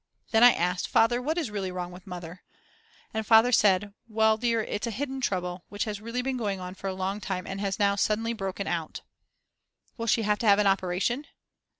Then I asked: Father, what is really wrong with Mother? And Father said: "Well, dear, it's a hidden trouble, which has really been going on for a long time and has now suddenly broken out." "Will she have to have an operation?"